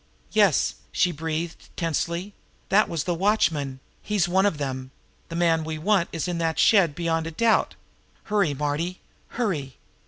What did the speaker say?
"Yes!" she breathed tensely. "That was the watchman. He's one of them. The man we want is in that shed beyond a doubt. Hurry, Marty hurry!"